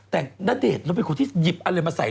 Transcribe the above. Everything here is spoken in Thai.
แต่ณเดชน์แล้วเป็นคนที่หยิบอะไรมาใส่